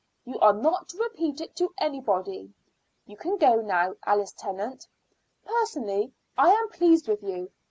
You are not to repeat it to anybody. You can go now, Alice Tennant. Personally I am pleased with you.